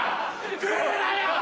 来るなよ！